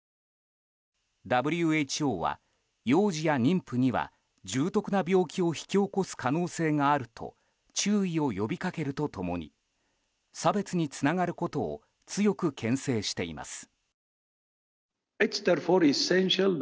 ＷＨＯは幼児や妊婦には重篤な病気を引き起こす可能性があると注意を呼びかけると共に差別につながることを強く牽制しています。